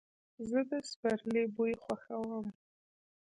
زه د سپرلي بوی خوښوم.